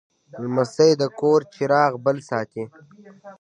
لمسی د کور چراغ بل ساتي.